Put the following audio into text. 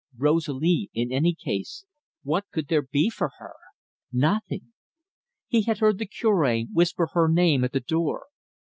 Rosalie in any case, what could there be for her? Nothing. He had heard the Cure whisper her name at the door.